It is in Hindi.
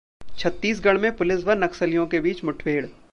छत्तीसगढ़ में पुलिस व नक्सलियों के बीच मुठभेड़